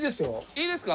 いいですか？